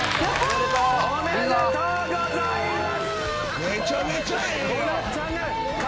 おめでとうございます。